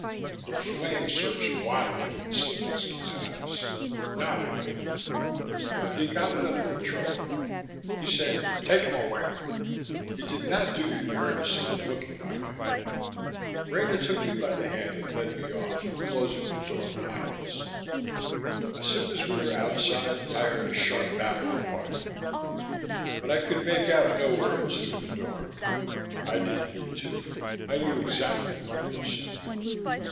The flame surged wildly in Slovetski's eyes not at me. But he got it under control. He said, "Take him away." He did not do me the courtesy of looking my way again. Rena took me by the hand and led me off, closing the door behind us. As soon as we were outside, I heard a sharp babble of argument, but I could make out no words through the door. I didn't need to; I knew exactly what they were saying.